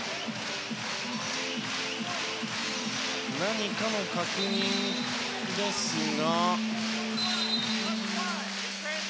何かの確認ですが。